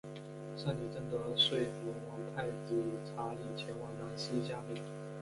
圣女贞德说服王太子查理前往兰斯加冕。